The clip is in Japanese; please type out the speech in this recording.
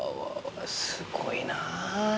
すごいな。